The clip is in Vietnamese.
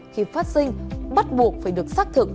khi phát sinh bắt buộc phải được xác thực